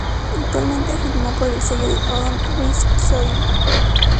Actualmente firmó por el sello de Odom Rich Soil.